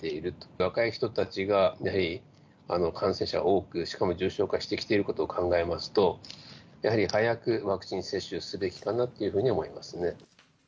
若い人たちがやはり、感染者多く、しかも重症化してきていることを考えますと、やはり、早くワクチン接種すべきかなというふうに思いますね。